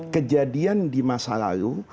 kejadian di masa lalu